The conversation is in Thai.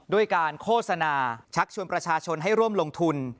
ด้วยการโฆษณาชักชวนประชาชนให้ร่วมลงทุน